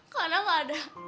karena gak ada